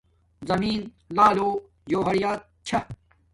زمین لعلو جوہریات چھا